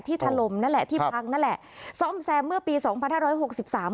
ถล่มนั่นแหละที่พังนั่นแหละซ่อมแซมเมื่อปีสองพันห้าร้อยหกสิบสาม